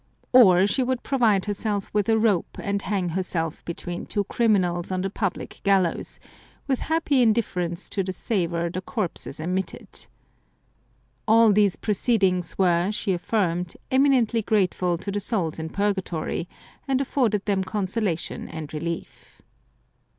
Or she would provide herself with a rope and hang herself between two criminals on the public gallows, with happy indifference to the savour the corpses emitted. All these proceedings were, she affirmed, eminently grateful to the souls in Purgatory, and afforded them consolation and relief.